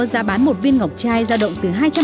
giá bán một viên ngọc chai ra động từ